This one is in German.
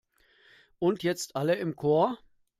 Und jetzt alle im Chor!